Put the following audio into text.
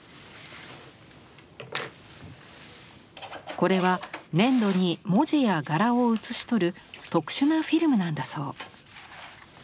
これは粘土に文字や柄を写し取る特殊なフィルムなんだそう。